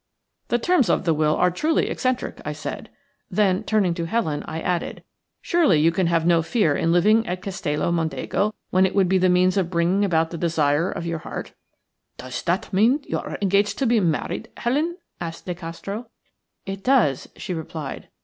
"The terms of the will are truly eccentric," I said. Then turning to Helen I added:– "Surely you can have no fear in living at Castello Mondego when it would be the means of bringing about the desire of your heart?" "Does that mean that you are engaged to be married, Helen?" asked De Castro. "It does," she replied.